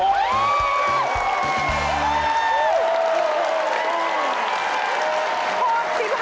โน้ท